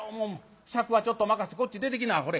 酌はちょっと任してこっち出てきなほれ。